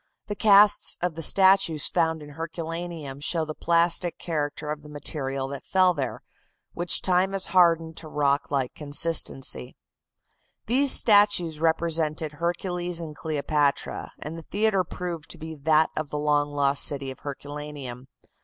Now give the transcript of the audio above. The casts of statues found in Herculaneum show the plastic character of the material that fell there, which time has hardened to rock like consistency. These statues represented Hercules and Cleopatra, and the theatre proved to be that of the long lost city of Herculaneum.